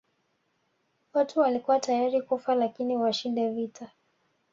Watu walikuwa tayari kufa lakini washinde vita